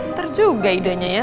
ntar juga idenya ya